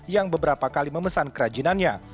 yang beberapa kali memesan kerajinannya